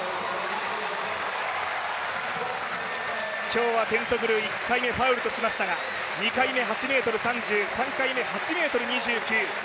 今日はテントグル、１回目ファウルとしましたが、２回目８ｍ３０、